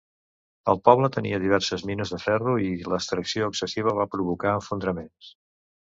El poble tenia diverses mines de ferro i l'extracció excessiva va provocar esfondraments.